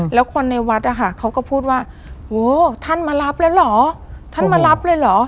แล้วคนในวัดนะคะเขาก็พูดว่าโอ้ท่านมารับแล้วเหรอท่านมารับเลยเหรอ